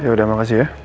yaudah makasih ya